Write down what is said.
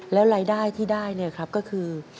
แล้วรายได้ที่ได้เนี่ยครับก็คือ